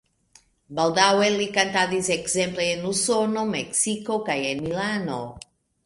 Baldaŭe li kantadis ekzemple en Usono, Meksiko kaj en Milano.